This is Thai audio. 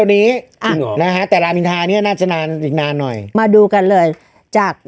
ที่จะต้องคืนผิวจราจรให้